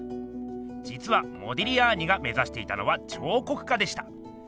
じつはモディリアーニが目ざしていたのは彫刻家でした。